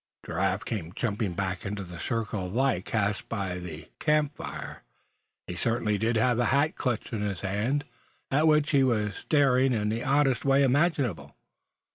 Giraffe came jumping back into the circle of light cast by the camp fire. He certainly did have a hat clutched in his hand, at which he was staring in the oddest way imaginable.